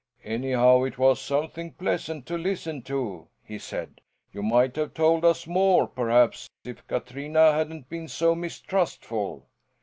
"Anyhow it was something pleasant to listen to," he said. "You might have told us more, perhaps, if Katrina hadn't been so mistrustful?"